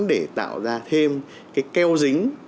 để tạo ra thêm cái keo dính